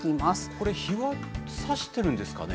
これ、日はさしてるんですかね。